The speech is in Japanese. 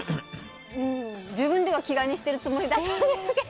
自分では気兼ねしてるつもりだったんですけど。